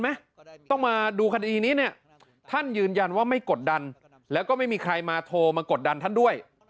ไหมต้องมาดูคดีนี้เนี่ยท่านยืนยันว่าไม่กดดันแล้วก็ไม่มีใครมาโทรมากดดันท่านด้วย